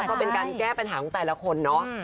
ก็เป็นการแก้ปัญหาของแต่ละคนเนาะ